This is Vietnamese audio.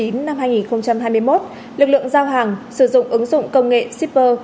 năm hai nghìn hai mươi một lực lượng giao hàng sử dụng ứng dụng công nghệ shipper